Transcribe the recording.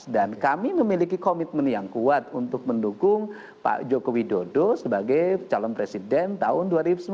dan kami memiliki komitmen yang kuat untuk mendukung pak jokowi dodo sebagai calon presiden tahun dua ribu sembilan belas